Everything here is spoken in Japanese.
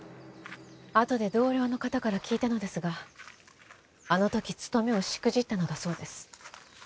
あとで同僚の方から聞いたのですがあの時勤めをしくじったのだそうです。